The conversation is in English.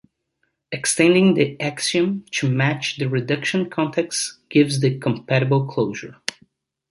Extending the axiom to match the reduction contexts gives the "compatible closure".